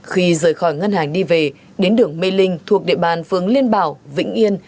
khi rời khỏi ngân hàng đi về đến đường mê linh thuộc địa bàn phường liên bảo vĩnh yên